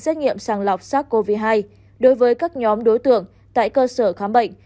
xét nghiệm sàng lọc sars cov hai đối với các nhóm đối tượng tại cơ sở khám bệnh